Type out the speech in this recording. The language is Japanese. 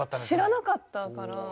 知らなかったから。